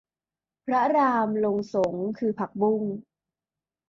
พระรามลงสรง คือผักบุ้ง